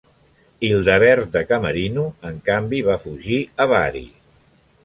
Hildebert de Camerino en canvi, va fugir a Bari.